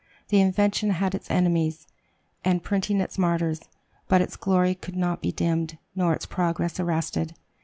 The invention had its enemies, and printing its martyrs; but its glory could not be dimmed, nor its progress arrested.